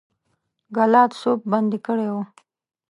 ګلادسوف بندي کړی وو.